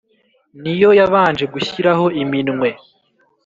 ni yo yabanje gushyiraho iminwe